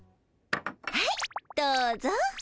はいどうぞ。